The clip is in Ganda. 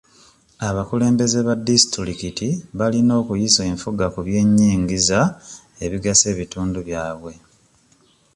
Abakulembeze ba disitulikiti balina okuyisa enfuga ku by'ennyingiza ebigasa ebitundu byabwe.